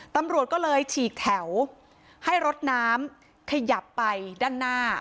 ตำรวจก็เลยฉีกแถวให้รถน้ำขยับไปด้านหน้า